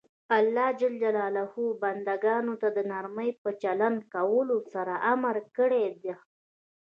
الله ج بنده ګانو ته د نرمۍ په چلند کولو سره امر کړی ده.